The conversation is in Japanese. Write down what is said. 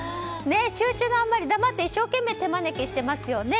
集中のあまり一生懸命手招きしていますよね。